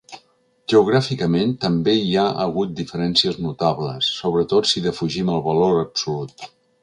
Geogràficament, també hi ha hagut diferències notables, sobretot si defugim el valor absolut.